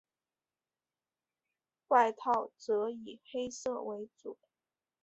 外套则以黑色为主。